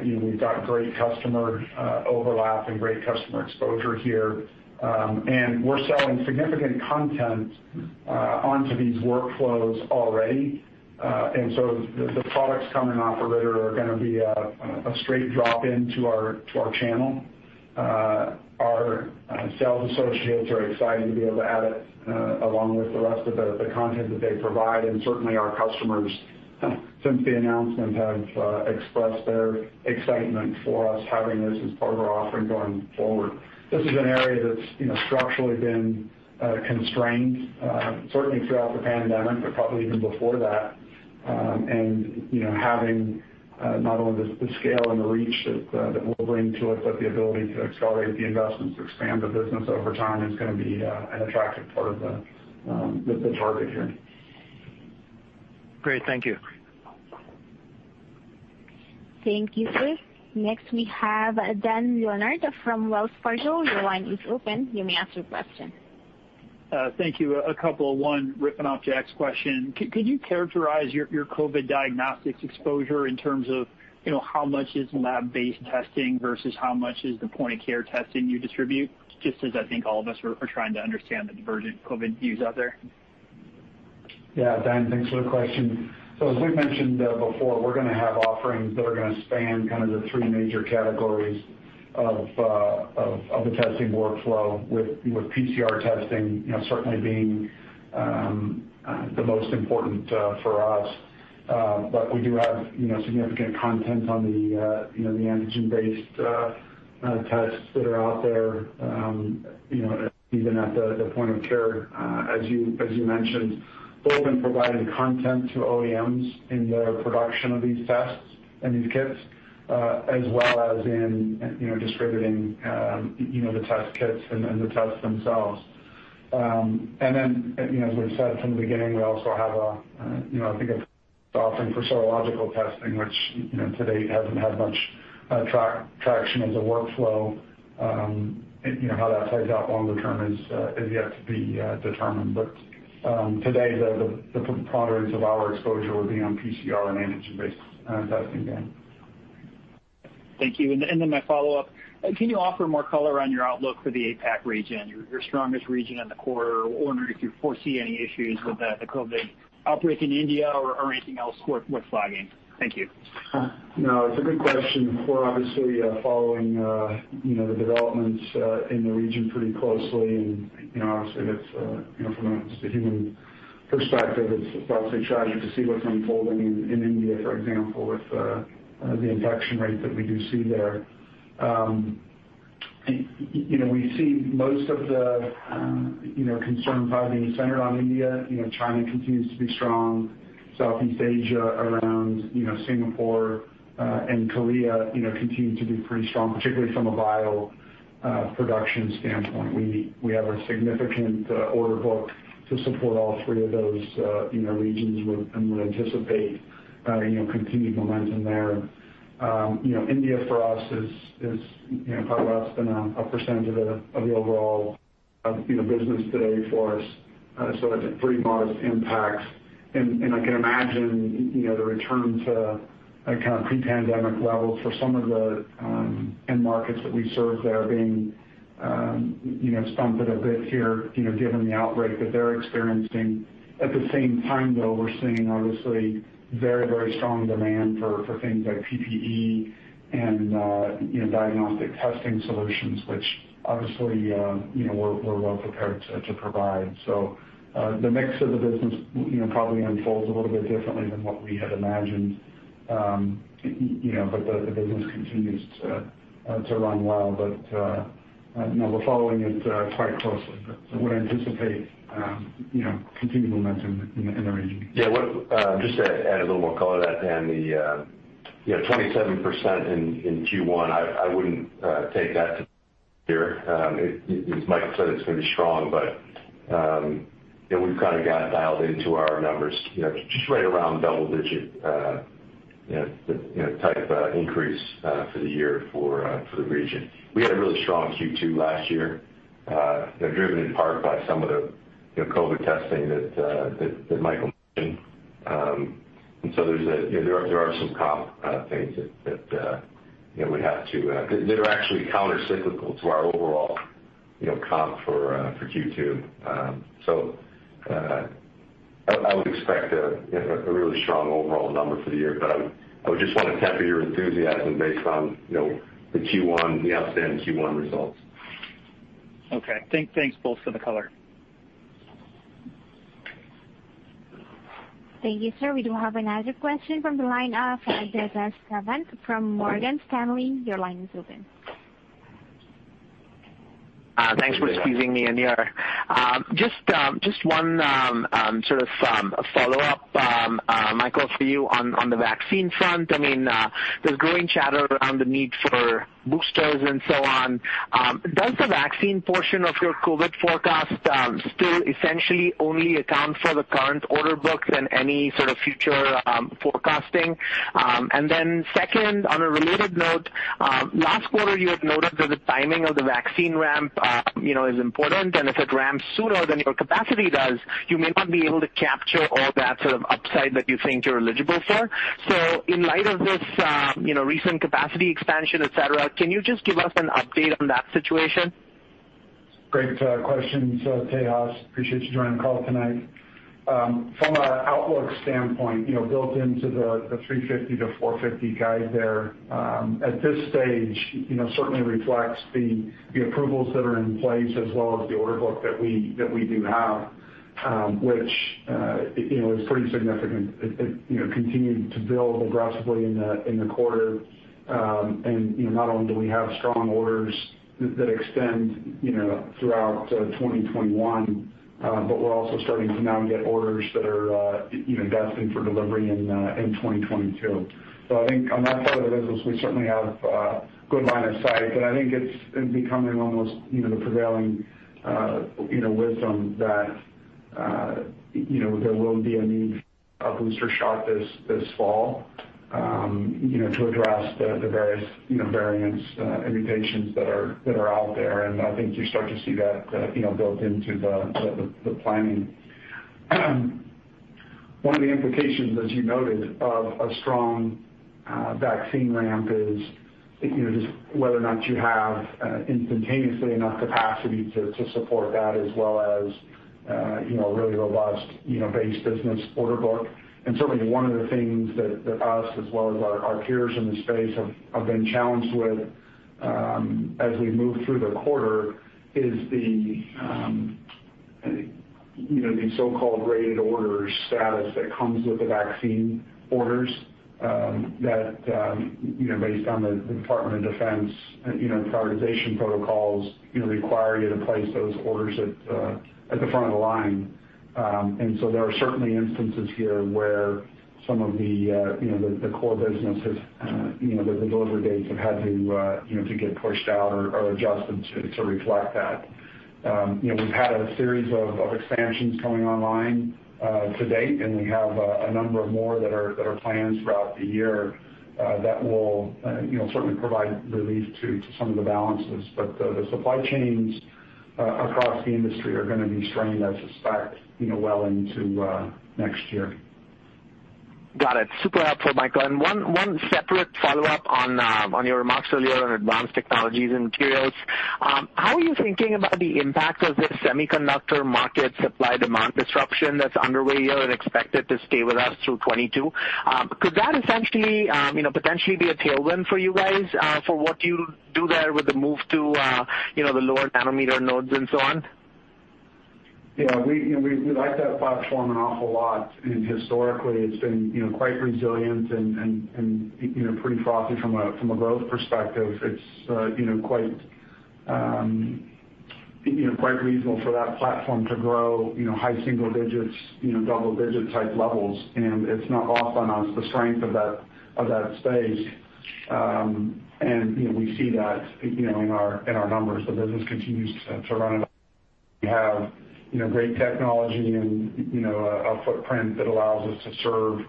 we've got great customer overlap and great customer exposure here. We're selling significant content onto these workflows already. So the products coming off of Ritter are going to be a straight drop-in to our channel. Our sales associates are excited to be able to add it along with the rest of the content that they provide, and certainly our customers, since the announcement, have expressed their excitement for us having this as part of our offering going forward. This is an area that's structurally been constrained, certainly throughout the pandemic, but probably even before that. Having not only the scale and the reach that will bring to it, but the ability to accelerate the investments to expand the business over time is going to be an attractive part of the target here. Great. Thank you. Thank you, sir. Next, we have Dan Leonard from Wells Fargo. Thank you. A couple. One, ripping off Jack's question, could you characterize your COVID diagnostics exposure in terms of how much is lab-based testing versus how much is the point-of-care testing you distribute? Just as I think all of us are trying to understand the divergent COVID views out there. Yeah, Dan, thanks for the question. As we've mentioned before, we're going to have offerings that are going to span kind of the three major categories of the testing workflow, with PCR testing certainly being the most important for us. We do have significant content on the antigen-based tests that are out there, even at the point of care, as you mentioned, both in providing content to OEMs in their production of these tests and these kits, as well as in distributing the test kits and the tests themselves. As we've said from the beginning, we also have a, I think it's an offering for serological testing, which to date hasn't had much traction as a workflow. How that plays out longer term is yet to be determined. Today, the preponderance of our exposure would be on PCR and antigen-based testing, Dan. Thank you. My follow-up, can you offer more color on your outlook for the APAC region, your strongest region in the quarter? I wonder if you foresee any issues with the COVID outbreak in India or anything else worth flagging? Thank you. No, it's a good question. We're obviously following the developments in the region pretty closely, and obviously from a human perspective, it's obviously tragic to see what's unfolding in India, for example, with the infection rate that we do see there. We see most of the concern probably being centered on India. China continues to be strong. Southeast Asia around Singapore and Korea continue to be pretty strong, particularly from a bioproduction standpoint. We have a significant order book to support all three of those regions and would anticipate continued momentum there. India for us is probably less than a percentage of the overall business today for us. It's a pretty modest impact. I can imagine the return to pre-pandemic levels for some of the end markets that we serve there are being stunted a bit here, given the outbreak that they're experiencing. At the same time, though, we're seeing obviously very strong demand for things like PPE and diagnostic testing solutions, which obviously we're well-prepared to provide. The mix of the business probably unfolds a little bit differently than what we had imagined. The business continues to run well. No, we're following it quite closely, but I would anticipate continued momentum in the region. Yeah. Just to add a little more color to that, Dan, the 27% in Q1, I wouldn't take that to here. As Michael said, it's going to be strong, but we've kind of got dialed into our numbers just right around double-digit type increase for the year for the region. We had a really strong Q2 last year, driven in part by some of the COVID-19 testing that Michael mentioned. There are some comp things that we have that are actually countercyclical to our overall comp for Q2. I would expect a really strong overall number for the year, but I would just want to temper your enthusiasm based on the outstanding Q1 results. Okay. Thanks both for the color. Thank you, sir. We do have another question from the line of Tejas Savant from Morgan Stanley. Your line is open. Thanks for squeezing me in here. Just one sort of follow-up, Michael, for you on the vaccine front. There's growing chatter around the need for boosters and so on. Does the vaccine portion of your COVID forecast still essentially only account for the current order books and any sort of future forecasting? Second, on a related note, last quarter you had noted that the timing of the vaccine ramp is important, and if it ramps sooner than your capacity does, you may not be able to capture all that sort of upside that you think you're eligible for. In light of this recent capacity expansion, et cetera, can you just give us an update on that situation? Great questions, Tejas. Appreciate you joining the call tonight. From an outlook standpoint, built into the $350-$450 guide there, at this stage, certainly reflects the approvals that are in place as well as the order book that we do have, which is pretty significant. It continued to build aggressively in the quarter. Not only do we have strong orders that extend throughout 2021, but we're also starting to now get orders that are destined for delivery in 2022. I think on that side of the business, we certainly have good line of sight. I think it's becoming almost the prevailing wisdom that there will be a need for a booster shot this fall to address the various variants, mutations that are out there. I think you start to see that built into the planning. One of the implications, as you noted, of a strong vaccine ramp is just whether or not you have instantaneously enough capacity to support that as well as a really robust base business order book. Certainly one of the things that us as well as our peers in the space have been challenged with as we move through the quarter is the so-called rated order status that comes with the vaccine orders that based on the Department of Defense prioritization protocols require you to place those orders at the front of the line. There are certainly instances here where some of the core business, the delivery dates have had to get pushed out or adjusted to reflect that. We've had a series of expansions coming online to date, and we have a number more that are planned throughout the year that will certainly provide relief to some of the balances. The supply chains across the industry are going to be strained, I suspect, well into next year. Got it. Super helpful, Michael. One separate follow-up on your remarks earlier on advanced technologies and materials. How are you thinking about the impact of this semiconductor market supply-demand disruption that's underway here and expected to stay with us through 2022? Could that potentially be a tailwind for you guys for what you do there with the move to the lower nanometer nodes and so on? We like that platform an awful lot, historically it's been quite resilient and pretty frothy from a growth perspective. It's quite reasonable for that platform to grow high single digits, double-digit type levels, it's not often on the strength of that space. We see that in our numbers. The business continues to run. We have great technology and a footprint that allows us to serve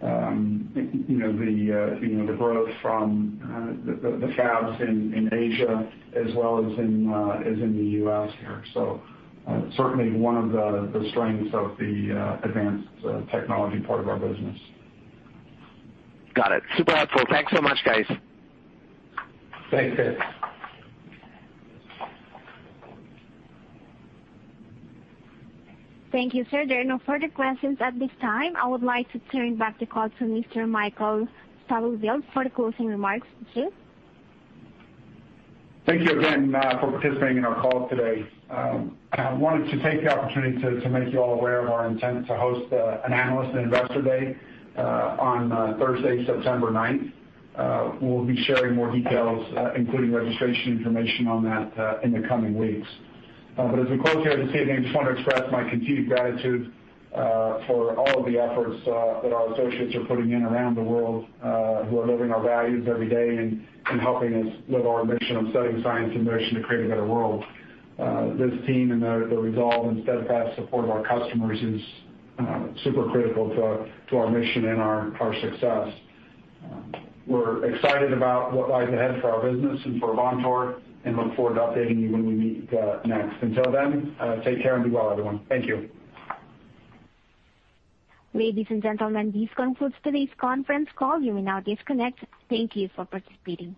the growth from the fabs in Asia as well as in the U.S. here. Certainly one of the strengths of the advanced technology part of our business. Got it. Super helpful. Thanks so much, guys. Thanks, Tejas. Thank you, sir. There are no further questions at this time. I would like to turn back the call to Mr. Michael Stubblefield for the closing remarks. Thank you. Thank you again for participating in our call today. I wanted to take the opportunity to make you all aware of our intent to host an analyst investor day on Thursday, September 9th. We'll be sharing more details, including registration information on that in the coming weeks. As we close here this evening, I just want to express my continued gratitude for all of the efforts that our associates are putting in around the world, who are living our values every day and helping us live our mission of studying science in motion to create a better world. This team and the resolve and steadfast support of our customers is super critical to our mission and our success. We're excited about what lies ahead for our business and for Avantor and look forward to updating you when we meet next. Until then, take care and be well, everyone. Thank you. Ladies and gentlemen, this concludes today's conference call. You may now disconnect. Thank you for participating.